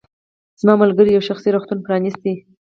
زما ملګرې یو شخصي روغتون پرانیسته.